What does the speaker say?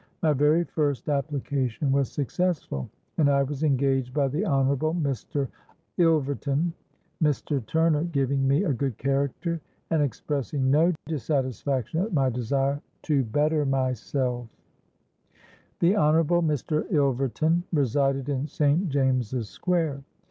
My very first application was successful, and I was engaged by the Honourable Mr. Ilverton, Mr. Turner giving me a good character and expressing no dissatisfaction at my desire 'to better myself.' "The Honourable Mr. Ilverton resided in St. James's Square.